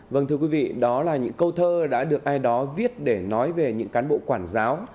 vâng thưa quý vị đó là những câu thơ đã được ai đó viết để nói về những cán bộ quản giáo